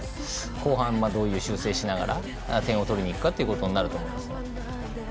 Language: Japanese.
後半、どういう修正をしながら点を取りにいくかということになると思います。